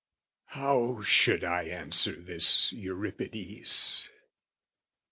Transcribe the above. How should I answer this Euripides?